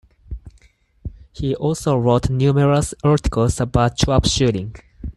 He also wrote numerous articles about trapshooting.